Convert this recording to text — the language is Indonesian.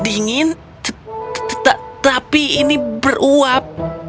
dingin tetapi ini beruap